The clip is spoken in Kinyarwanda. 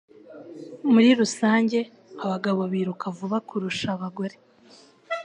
Muri rusange, abagabo biruka vuba kurusha abagore.